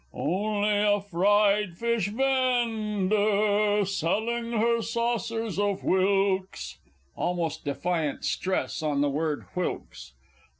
Only a fried fish vend ar! Selling her saucers of whilks, [_Almost defiant stress on the word "whilks."